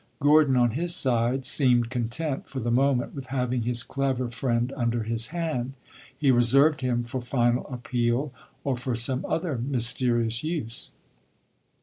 Gordon, on his side, seemed content for the moment with having his clever friend under his hand; he reserved him for final appeal or for some other mysterious use.